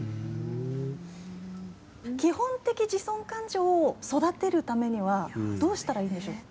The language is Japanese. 基本的自尊感情を育てるためにはどうしたらいいんでしょうか。